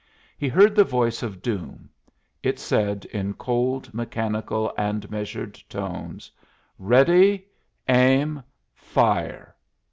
He heard the voice of doom; it said, in cold, mechanical, and measured tones: "Ready, aim, fire!"